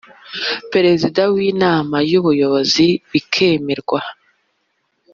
perezida w inama y ubuyobozi bikemerwa